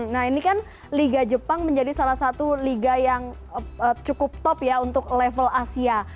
nah ini kan liga jepang menjadi salah satu liga yang cukup top ya untuk level asia